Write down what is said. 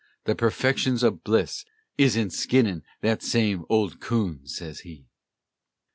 "The perfection o' bliss Is in skinnin' thet same old coon," sez he.